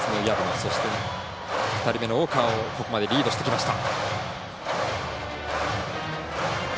そして、２人目の大川をここまでリードしてきました。